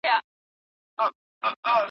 سياسي قدرت د سياستپوهني اړين عنصر دی.